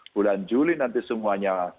bulan juli nanti semuanya